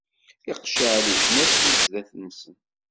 Iqecceɛ leǧnas si sdat-nsen.